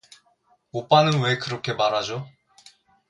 오빠는 왜 그렇게 말하죠?